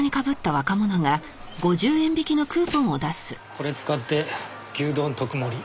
これ使って牛丼特盛。